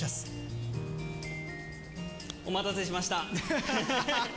お待たせしました。